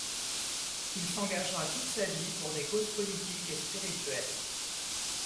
Il s'engagera toute sa vie pour des causes politiques et spirituelles.